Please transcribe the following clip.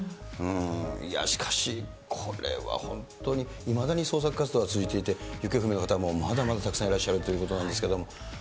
いやー、しかし、これは本当にいまだに捜索活動は続いていて、行方不明の方もまだまだたくさんいらっしゃるということなんですけれども。